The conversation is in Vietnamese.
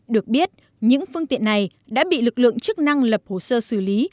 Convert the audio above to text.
được biết những phương tiện này đã bị lực lượng chức năng lập hồ sơ xử lý